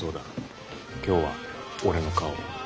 今日は俺の顔。